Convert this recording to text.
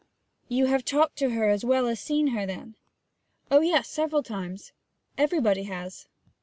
'You have talked to her as well as seen her, then?' 'Oh yes, several times; everybody has.'